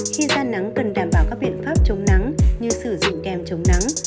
khi ra nắng cần đảm bảo các biện pháp chống nắng như sử dụng kem chống nắng